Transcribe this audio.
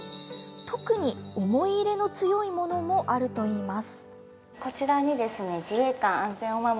特に思い入れの強いものもあるといいます。